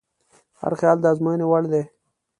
هر خیال د ازموینې وړ دی.